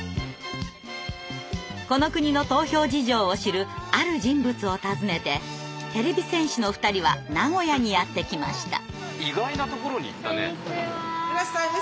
この国の投票事情を知るある人物を訪ねててれび戦士の２人は名古屋にやって来ました。